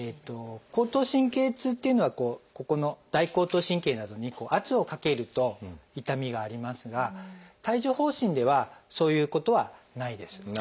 後頭神経痛っていうのはここの大後頭神経などに圧をかけると痛みがありますが帯状疱疹ではそういうことはないです。